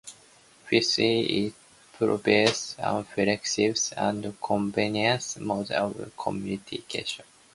Firstly, it provides a flexible and convenient mode of communication.